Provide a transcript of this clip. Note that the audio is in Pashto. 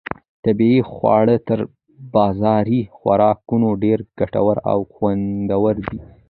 طبیعي خواړه تر بازاري خوراکونو ډېر ګټور او خوندور دي.